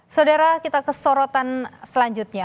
saudara kita ke sorotan selanjutnya